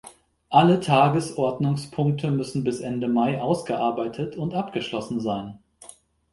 Alle Tagesordnungspunkte müssen bis Ende Mai ausgearbeitet und abgeschlossen sein.